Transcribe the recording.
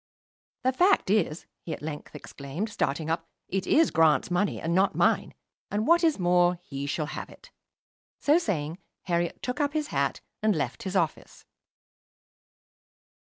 "The fact is," he at length exclaimed, starting up, "it is Grant's money, and not mine; and what is more, he shall have it." So saying, Herriot took up his hat and left his office.